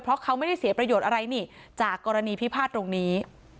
เพราะเขาไม่ได้เสียประโยชน์อะไรนี่จากกรณีพิพาทตรงนี้